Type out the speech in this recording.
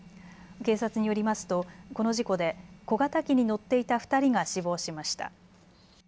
警察によりますと、この事故で小型機に乗っていた２人が死亡しました。